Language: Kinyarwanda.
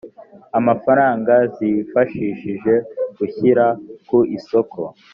amafaranga zifashishije gushyira ku isoko